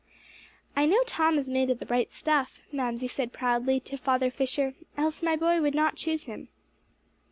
"I know Tom is made of the right stuff," Mamsie said proudly to Father Fisher, "else my boy would not choose him."